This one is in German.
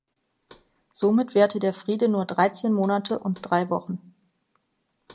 Somit währte der Friede nur dreizehn Monate und drei Wochen.